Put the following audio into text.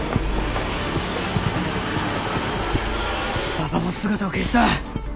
馬場も姿を消した。